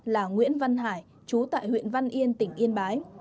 là nguyễn văn hải chú tại huyện văn yên tỉnh yên bái